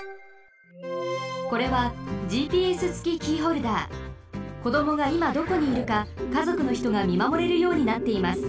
これはこどもがいまどこにいるかかぞくのひとがみまもれるようになっています。